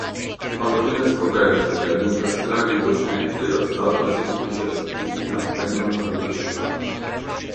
Quando viene scoperto che ad incastrare i docenti era stata semplice aspirina vengono rilasciati.